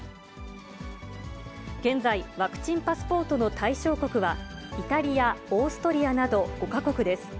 現在、ワクチンパスポートの対象国は、イタリア、オーストリアなど、５か国です。